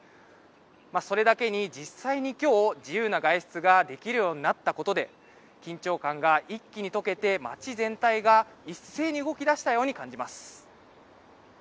それだけに実際に、きょう自由な外出ができるようになったことで緊張感が一気に解けて街全体が一斉に動き出したように感じます。